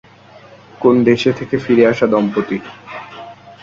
কোন দেশে থেকে ফিরে আসা দম্পতি?